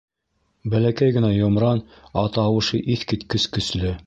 Бәләкәй генә йомран, ә тауышы иҫ киткес көслө.